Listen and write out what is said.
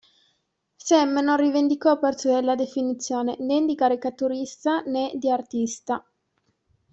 Sem non rivendicò per sé la definizione né di caricaturista, né di artista.